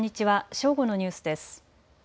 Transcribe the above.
正午のニュースです。